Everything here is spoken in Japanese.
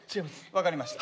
分かりました。